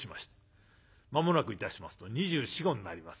間もなくいたしますと２４２５になります